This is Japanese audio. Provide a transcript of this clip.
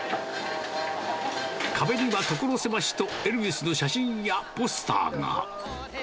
壁には所狭しとエルヴィスの写真やポスターが。